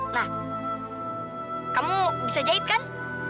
nah kamu bisa jahit kan